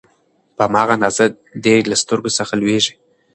په هماغه اندازه دې له سترګو څخه لوييږي